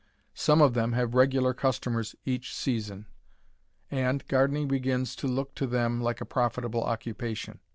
Some of them have regular customers each season, and gardening begins to look to them like a profitable occupation.